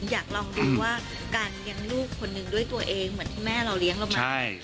อยากลองดูว่าการเลี้ยงลูกคนหนึ่งด้วยตัวเองเหมือนที่แม่เราเลี้ยงเรามา